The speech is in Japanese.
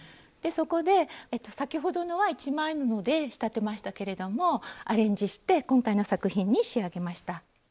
でそこで先ほどのは一枚布で仕立てましたけれどもアレンジして今回の作品に仕上げました。